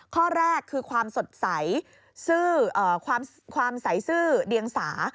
ข้อแรกคือความสดใสความใสซื่อเดียงสา